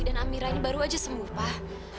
dan amirah ini baru aja sembuh pak